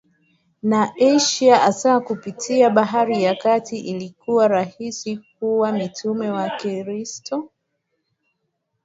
na Asia hasa kupitia Bahari ya Kati Ilikuwa rahisi kwa mitume wa Kristo